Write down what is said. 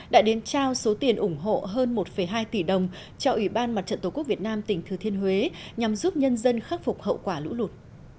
đã đến trao số tiền ủng hộ hơn một hai tỷ đồng cho ủy ban mặt trận tổ quốc việt nam tỉnh thừa thiên huế nhằm giúp nhân dân khắc phục hậu quả lũ lụt